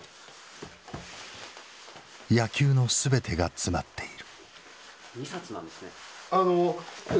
野球の全てが詰まっている。